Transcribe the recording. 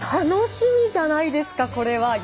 楽しみじゃないですかこれは。